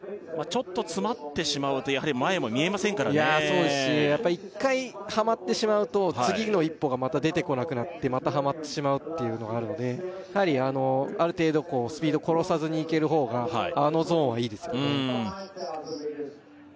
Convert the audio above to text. そうですしやっぱ一回はまってしまうと次の一歩がまた出てこなくなってまたはまってしまうっていうのがあるのでやはりある程度スピード殺さずにいけるほうがあのゾーンはいいですよね